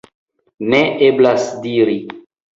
Ne eblas diri.